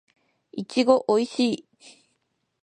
いちごおいしい